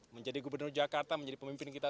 menjadi gubernur jakarta menjadi pemimpin kita